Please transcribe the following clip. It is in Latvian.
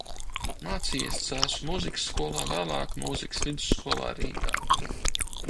Mācījies Cēsu mūzikas skolā, vēlāk mūzikas vidusskolā Rīgā.